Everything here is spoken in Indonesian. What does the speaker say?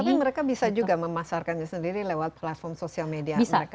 tapi mereka bisa juga memasarkannya sendiri lewat platform sosial media mereka